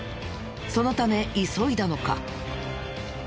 そのため急いだのか。